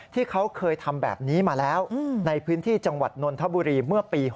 ที่เขาเคยทำแบบนี้มาแล้วในพื้นที่จังหวัดนนทบุรีเมื่อปี๖๐